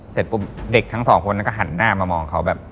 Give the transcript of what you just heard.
เสร็จปุ๊บเด็กทั้งสองคนนั้นก็หันหน้ามามองเขาแบบ